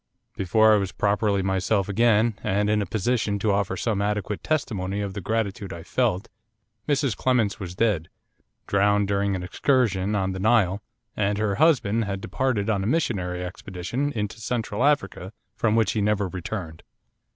Before I was properly myself again, and in a position to offer some adequate testimony of the gratitude I felt, Mrs Clements was dead, drowned during an excursion on the Nile, and her husband had departed on a missionary expedition into Central Africa, from which he never returned.